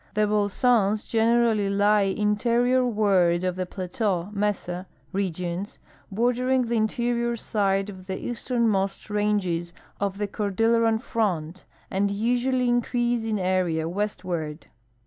The bolsons generally lie interiorward of the plateau (mesa) regions bordering the interior side of the easternmost ranges of the cordilleran front and usually increase in area westward.